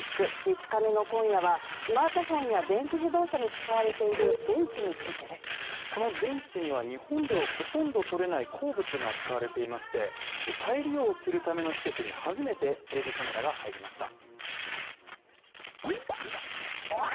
３日目の今夜は、スマートフォンや電気自動車に使われている電池についてです。この電池には日本ではほとんど取れない鉱物が使われていまして再利用するための施設に初めてテレビカメラが入りました。